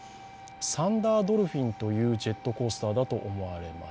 サンダードルフィンというジェットコースターだと思われます。